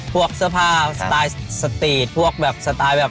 พวกเสื้อผ้าสไตล์สตีทพวกแบบสไตล์แบบ